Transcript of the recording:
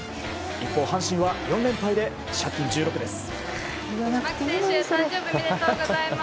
一方、阪神は４連敗で借金１６です。